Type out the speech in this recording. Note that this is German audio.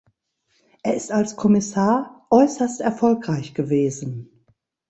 Er ist als Kommissar äußerst erfolgreich gewesen.